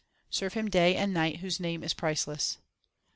Serve Him day and night whose Name is priceless.